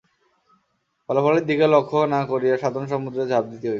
ফলাফলের দিকে লক্ষ্য না করিয়া সাধন-সমুদ্রে ঝাঁপ দিতে হইবে।